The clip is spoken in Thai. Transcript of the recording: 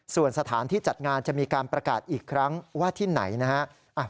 ส่วนสถานที่จัดงานจะมีการประกาศอีกครั้งว่าที่ไหนนะฮะ